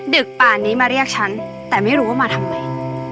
ป่านนี้มาเรียกฉันแต่ไม่รู้ว่ามาทำไม